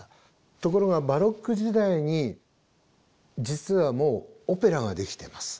ところがバロック時代に実はもうオペラができてます。